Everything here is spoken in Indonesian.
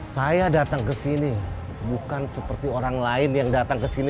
saya datang ke sini bukan seperti orang lain yang datang ke sini